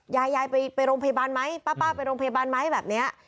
ยายยายไปโรงพยาบาลไหมป้าไปโรงพยาบาลไหมแบบนี้